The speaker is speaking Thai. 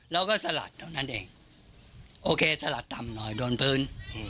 สลัดเท่านั้นเองโอเคสลัดต่ำหน่อยโดนพื้น